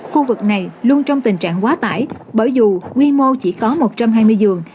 khu vực này luôn trong tình trạng quá tải bởi dù quy mô chỉ có một trăm hai mươi giường